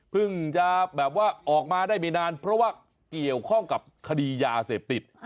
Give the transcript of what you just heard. จะแบบว่าออกมาได้ไม่นานเพราะว่าเกี่ยวข้องกับคดียาเสพติด